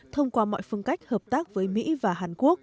thông qua mọi phương cách hợp tác với mỹ và hàn quốc